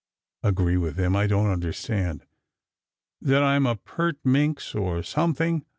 " "Agree with him? I don t understand." "That I m a pert minx or something.